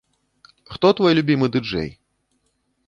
Хто твой любімы ды-джэй?